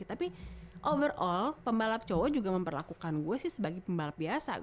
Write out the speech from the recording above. tapi overall pembalap cowok juga memperlakukan gue sih sebagai pembalap biasa